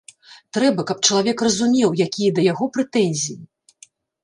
Трэба, каб чалавек разумеў, якія да яго прэтэнзіі.